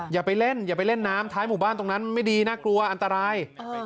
อย่าไปเล่นอย่าไปเล่นน้ำท้ายหมู่บ้านตรงนั้นไม่ดีน่ากลัวอันตราย